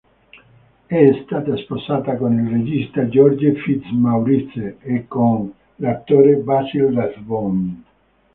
È stata sposata con il regista George Fitzmaurice e con l'attore Basil Rathbone.